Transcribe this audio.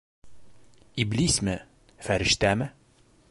Иблисме, фәрештәме?